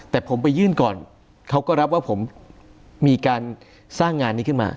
แต่ผมไปยื่นก่อนเขาก็รับว่าผมมีการสร้างงานนี้ขึ้นมา